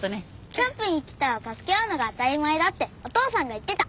キャンプに来たら助け合うのが当たり前だってお父さんが言ってた。